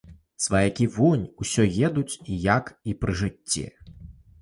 Сваякі вунь усё едуць, як і пры жыцці.